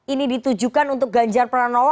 ini ditujukan untuk ganjar pranowo